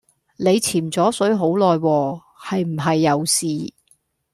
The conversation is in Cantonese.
你潛左水好耐喎，係唔係有事